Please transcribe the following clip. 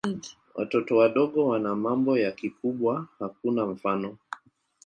Watoto wadogo wana mambo ya kikubwa hakuna mfano.